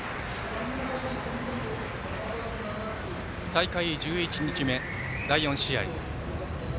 大会１１日目第４試合。